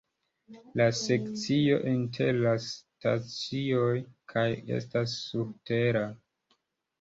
La sekcio inter la stacioj kaj estas surtera.